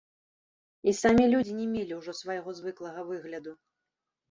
І самі людзі не мелі ўжо свайго звыклага выгляду.